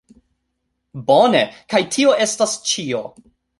Bone, Kaj tio estas ĉio